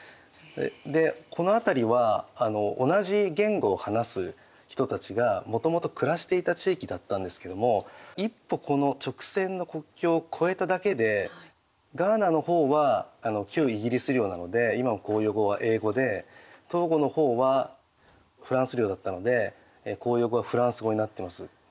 でこの辺りは同じ言語を話す人たちがもともと暮らしていた地域だったんですけども一歩この直線の国境を越えただけでガーナの方は旧イギリス領なので今も公用語は英語でトーゴの方はフランス領だったので公用語はフランス語になってます。